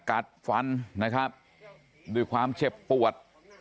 กัดฟันนะครับด้วยความเจ็บปวด